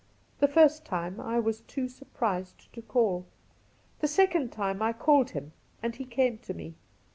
The first time I was too surprised to call. The second time I called him and he came to me.